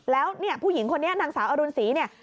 แล้วเนี่ยผู้หญิงคนนี้นางสาวอรุณศรีเนี่ย